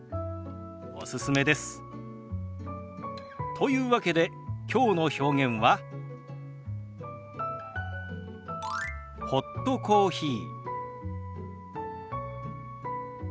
というわけできょうの表現は「ホットコーヒー」。